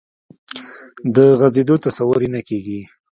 د غځېدو تصور یې نه کېږي.